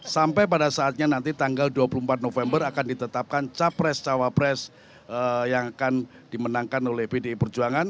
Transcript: sampai pada saatnya nanti tanggal dua puluh empat november akan ditetapkan capres cawapres yang akan dimenangkan oleh pdi perjuangan